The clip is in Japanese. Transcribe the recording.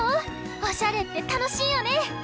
おしゃれってたのしいよね！